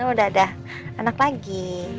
udah ada anak lagi